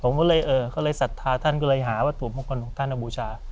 ตั้งแต่นั้นผมก็เลยสัทธาท่านก็เลยหาว่าตัวมงคลของท่านอบูชา